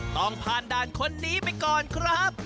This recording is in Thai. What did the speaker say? ต้องผ่านด่านคนนี้ไปก่อนครับ